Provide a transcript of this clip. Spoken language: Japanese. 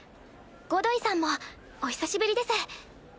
ゴドイさんもお久しぶりです。